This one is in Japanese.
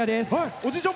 おじいちゃん